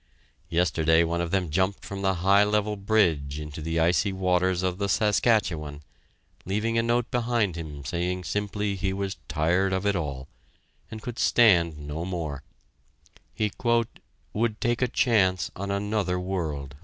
Yesterday one of them jumped from the High Level Bridge into the icy waters of the Saskatchewan, leaving a note behind him saying simply he was tired of it all, and could stand no more he "would take a chance on another world."